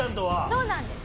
そうなんです。